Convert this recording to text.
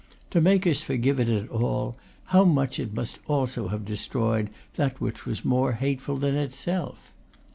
To make us forgive it at all, how much it must also have destroyed that was more hateful than itself!